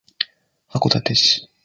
函館市